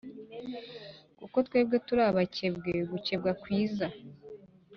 kuko twebwe turi abakebwe gukebwa kwiza